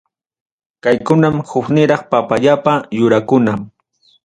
Kaykunam hukniraq papayapa yurakuna.